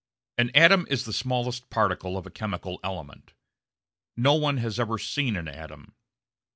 An atom is the smallest particle of a chemical element. No one has ever seen an atom.